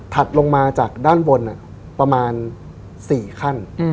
ถัดลงมาจากด้านบนประมาณ๔ขั้น